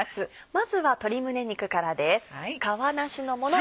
まずは鶏胸肉からです。